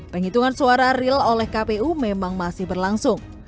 penghitungan suara real oleh kpu memang masih berlangsung